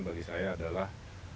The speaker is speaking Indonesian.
bagi saya adalah